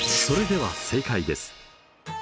それでは正解です。